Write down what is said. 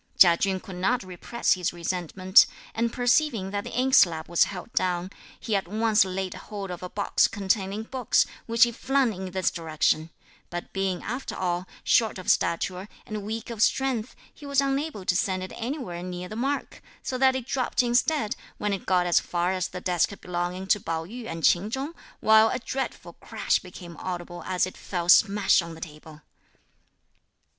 Chia Chün could not repress his resentment; and perceiving that the inkslab was held down, he at once laid hold of a box containing books, which he flung in this direction; but being, after all, short of stature, and weak of strength, he was unable to send it anywhere near the mark; so that it dropped instead when it got as far as the desk belonging to Pao yü and Ch'in Chung, while a dreadful crash became audible as it fell smash on the table.